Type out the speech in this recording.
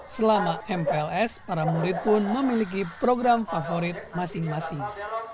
selama mpls para murid pun memiliki program favorit masing masing